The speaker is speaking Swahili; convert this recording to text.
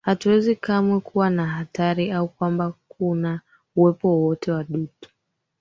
Hatuwezi kamwe kuwa na hatari au kwamba kuna uwepo wowote wa dutu